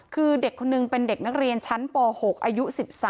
คือเด็กคนนึงเป็นเด็กนักเรียนชั้นป๖อายุ๑๓